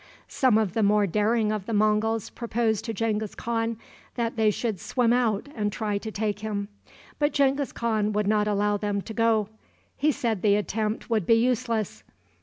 Some of the more daring of the Monguls proposed to Genghis Khan that they should swim out and try to take him. But Genghis Khan would not allow them to go. He said the attempt would be useless.